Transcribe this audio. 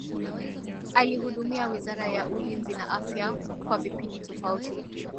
Alihudumia wizara ya ulinzi na afya kwa vipindi tofauti